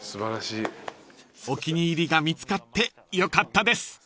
［お気に入りが見つかってよかったです］